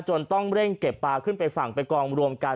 ต้องเร่งเก็บปลาขึ้นไปฝั่งไปกองรวมกัน